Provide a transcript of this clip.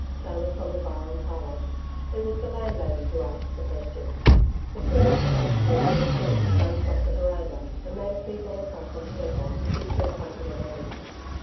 sounded from the bar and parlour. It was the landlady who asked the last question. The two reprobates who had been asleep, lunged off the veranda, and made a feeble assault on Steadbolt, who still clung to the reins.